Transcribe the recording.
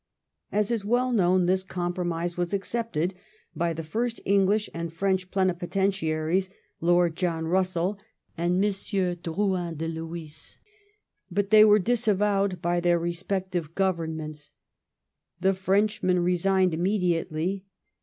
As is well known, this compromise was accepted hj the first English and French plenipotentiaries, LordP John Bnssell and M. Dronyn de Lhuys, but they were disavowed by their respective Oovemments; the French man resigned immediately.